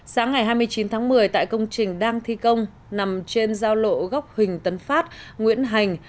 sáng ngày hai mươi chín tháng một mươi tại công trình đang thi công nằm trên giao lộ góc huỳnh tấn phát nguyễn hành